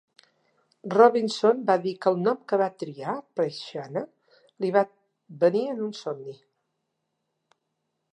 Robinson va dir que el nom que va triar, "Psychiana", li va venir en un somni.